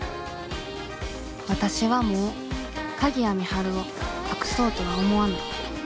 わたしはもう鍵谷美晴を隠そうとは思わない。